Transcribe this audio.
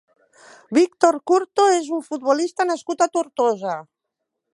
Víctor Curto és un futbolista nascut a Tortosa.